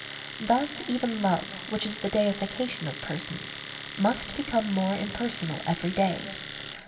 Thus even love, which is the deification of persons, must become more impersonal every day.